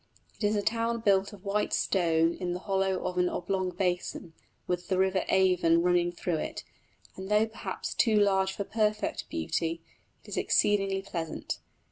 It is a town built of white stone in the hollow of an oblong basin, with the river Avon flowing through it; and though perhaps too large for perfect beauty, it is exceedingly pleasant.